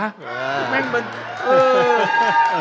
แม่งมันเออ